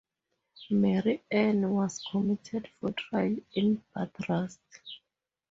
Mary Ann was committed for trial in Bathurst.